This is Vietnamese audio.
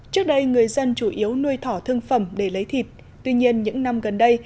trước đây người dân chủ yếu nuôi thỏ thương phẩm để lấy thịt tuy nhiên những năm gần đây